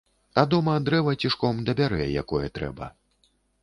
А дома дрэва цішком дабярэ, якое трэба.